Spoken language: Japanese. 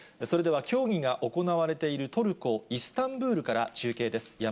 それでは、協議が行われているトルコ・イスタンブールから中継です。